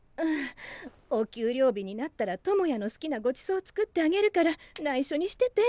お給料日になったら智也の好きなごちそう作ってあげるからないしょにしてて。